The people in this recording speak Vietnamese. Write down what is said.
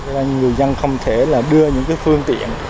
nên người dân không thể đưa những phương tiện